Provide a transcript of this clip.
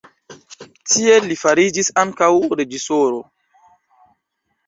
Tie li fariĝis ankaŭ reĝisoro.